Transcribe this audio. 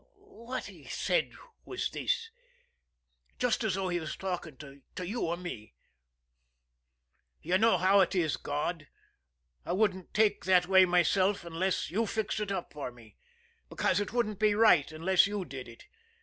"What he said was this, just as though he was talking to you or me: 'You know how it is, God. I wouldn't take that way myself unless You fixed it up for me, because it wouldn't be right unless You did it.